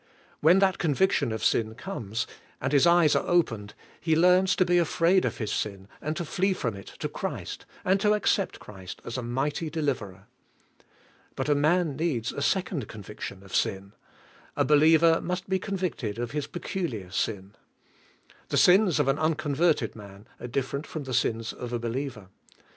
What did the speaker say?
When that conviction of sin comes, and his eyes are opened, he learns to be afraid of his sin, and to flee from it to Christ, and to accept Christ as a mighty deliverer. But a man needs a second conviction of sin; a believer must be convicted of his peculiar sin. The sins of an unconverted man are different from the sins of a believer.